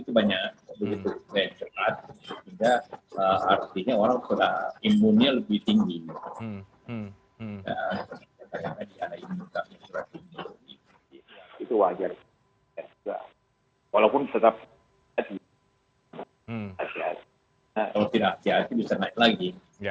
kalau tidak hati hati bisa naik lagi